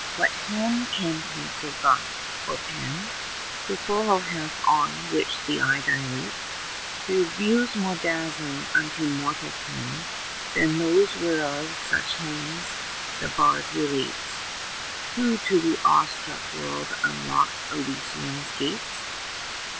what hand can pencil guide, or pen, To follow half on which the eye dilates Through views more dazzling unto mortal ken 5 Than those whereof such things the bard relates, Who to the awe struck world unlocked Elysium's gates?